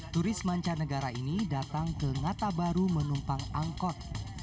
turis mancanegara ini datang ke ngata baru menumpang angkot